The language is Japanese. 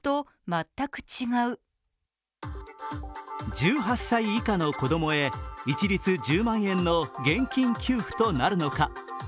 １８歳以下の子供へ一律１０万円の現金給付となるのか。